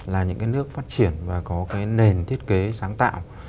là những nước phát triển và có nền thiết kế sáng tạo